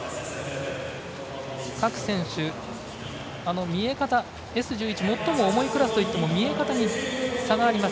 各選手、Ｓ１１は最も重いクラスといっても見え方に差があります。